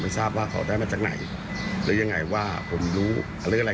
ทราบว่าเขาได้มาจากไหนหรือยังไงว่าผมรู้เขาเรียกอะไร